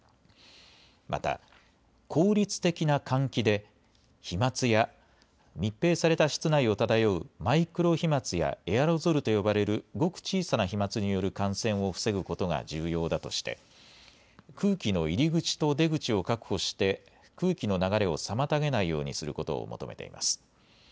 また、効率的な換気で飛まつや密閉された室内を漂うマイクロ飛まつやエアロゾルと呼ばれるごく小さな飛まつによる感染を防ぐことが重要だとして空気の入り口と出口を確保して空気の流れを妨げないようにすることを求めています。